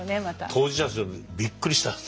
当事者としてもびっくりした。